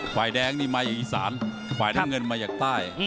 ไขวดแดงนี่มาจากอีสานไขวดเงินมาจากใต้